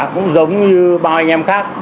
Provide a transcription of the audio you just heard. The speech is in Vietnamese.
cũng giống như bao anh em khác